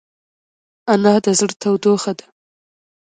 انا د زړه تودوخه ده